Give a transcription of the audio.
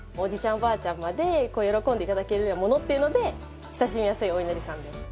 おばあちゃんまで喜んで頂けるようなものというので親しみやすいおいなりさんで。